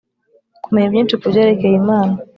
Kumenya byinshi ku byerekeye Imana